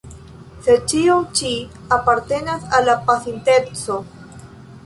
Sed ĉio ĉi apartenas al la pasinteco.